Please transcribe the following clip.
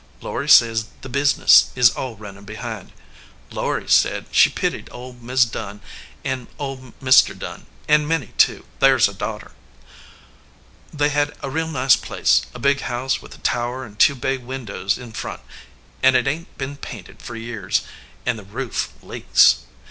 Laury says the business is all runnin behind. Laury said she pitied old Mis Dunn an old Mr. Dunn, an Minnie, too; thar s a daughter. They had a real nice place, a big house with a tower and two bay windows in front ; an it ain t been painted for years, an* the roof leaks.